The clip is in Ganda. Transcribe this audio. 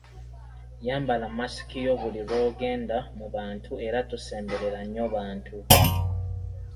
Yambala masiki yo buli lw’ogenda mu bantu era tosemberera nnyo bantu.